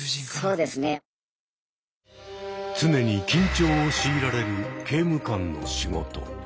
常に緊張を強いられる刑務官の仕事。